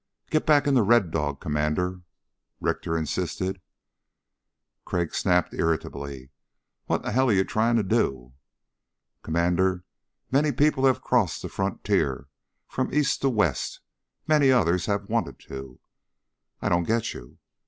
"Get back into Red Dog, Commander," Richter insisted. Crag snapped irritably: "What the hell are you trying to do." "Commander, many people have crossed the frontier from East to West. Many others have wanted to." "I don't get you."